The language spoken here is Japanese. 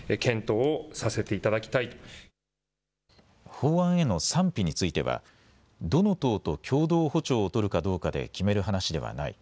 法案への賛否についてはどの党と共同歩調を取るかどうかで決める話ではない。